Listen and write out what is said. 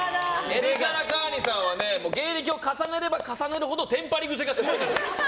エルシャラカーニさんは芸歴を重ねれば重ねるほどテンパり癖がすごいです。